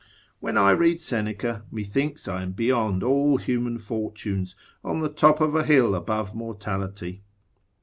when I read Seneca, methinks I am beyond all human fortunes, on the top of a hill above mortality.